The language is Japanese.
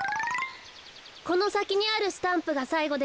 このさきにあるスタンプがさいごです。